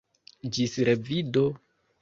Ĝis revido!